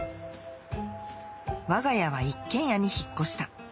わが家は一軒家に引っ越した